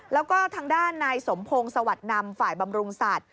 แล้วก็ทางด้านนายสมพงศ์สวัสดิ์นำฝ่ายบำรุงสัตว